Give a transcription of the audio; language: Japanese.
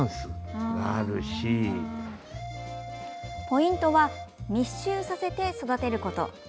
ポイントは密集させて育てること。